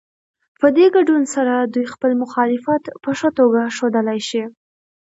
په دې ګډون سره دوی خپل مخالفت په ښه توګه ښودلی شي.